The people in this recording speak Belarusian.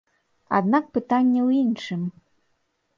Аднак пытанне ў іншым.